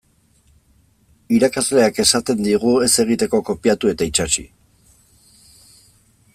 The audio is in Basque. Irakasleak esaten digu ez egiteko kopiatu eta itsatsi.